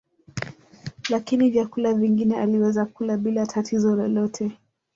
Lakini vyakula vingine aliweza kula bila tatizo lolote